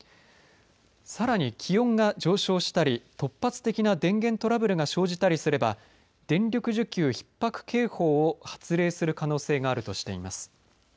さらに、気温が上昇したり突発的な電源トラブルが生じたりすれば電力需給ひっ迫警報を発令する可能性があるとしています。